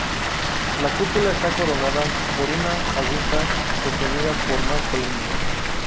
La cúpula está coronada por una aguja sostenida por más columnas.